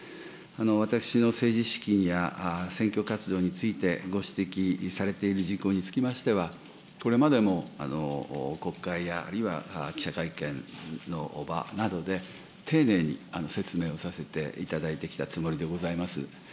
私の政治資金や選挙活動について、ご指摘されている事項につきましては、これまでも国会やあるいは記者会見の場などで、丁寧に説明をさせていただいてきたつもりでございます。